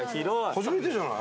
初めてじゃない？